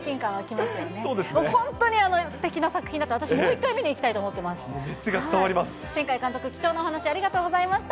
本当にすてきな作品だと、私、もう一回見に行きたいと思っ熱が伝わります。